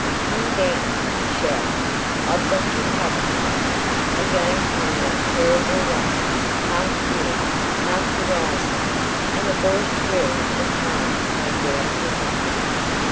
"Come down," he shouted, "I've got you covered!" Again came that terrible laugh, half fear, half derision, and a voice shrill and harsh came down to him.